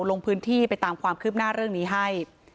ลงพื้นที่ไปตามความคืบหน้าเรื่องนี้ให้